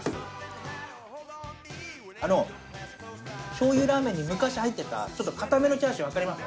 しょうゆラーメンに昔入ってたちょっと硬めのチャーシュー分かります？